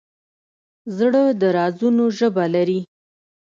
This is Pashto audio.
زړه د رازونو ژبه لري.